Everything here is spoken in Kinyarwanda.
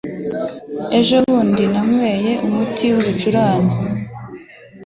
Ejo bundi nanyoye umuti wibicurane .